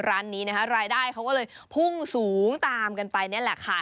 ร้านนี้นะคะรายได้เขาก็เลยพุ่งสูงตามกันไปนี่แหละค่ะ